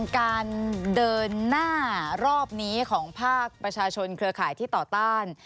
การเดินหน้ารอบนี้ของภาคประชาชนเครือข่ายที่ต่อต้าน